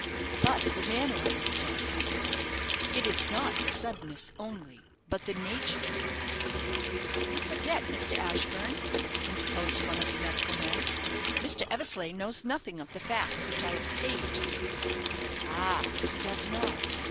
"But the manner of his death! It is not the suddenness only, but the nature " "You forget, Mr. Ashburne," interposed one of the medical men, "Mr. Eversleigh knows nothing of the facts which I have stated to you." "Ah, he does not!